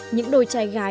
những đôi chai gà